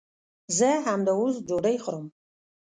زه همداوس ډوډۍ خورم